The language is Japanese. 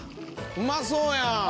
うまそうやん！